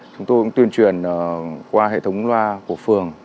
chúng tôi cũng tuyên truyền qua hệ thống loa của phường